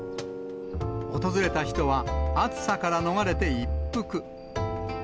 訪れた人は暑さから逃れて一服。